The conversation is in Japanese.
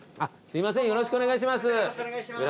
すいません。